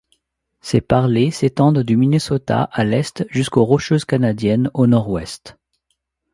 Ces parlers s'étendent du Minnesota à l'est jusqu’aux Rocheuses canadiennes, au nord-ouest.